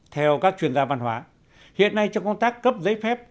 theo các chuyên gia văn hóa hiện nay trong công tác cấp giấy phép